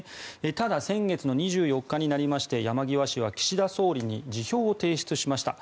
ただ、先月２４日になりまして山際氏は岸田総理に辞表を提出しました。